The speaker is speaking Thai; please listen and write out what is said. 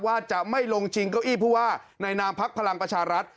ว่าจะไม่ลงชิงเก้าอี้ผู้ว่าในนามพักพลังประชารัฐ